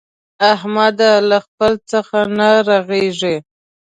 احمده! له خپله څخه نه رغېږي.